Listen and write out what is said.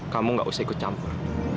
kamu gak usah ikut campur